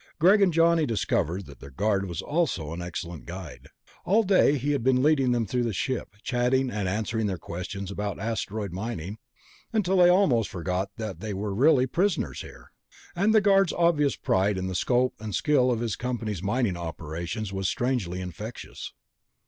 Greg and Johnny discovered that their guard was also an excellent guide. All day he had been leading them through the ship, chatting and answering their questions about asteroid mining, until they almost forgot that they were really prisoners here. And the guard's obvious pride in the scope and skill of his company's mining operations was strangely infectious.